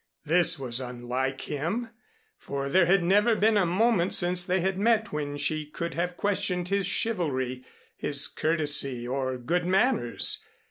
This was unlike him, for there had never been a moment since they had met when she could have questioned his chivalry, his courtesy or good manners.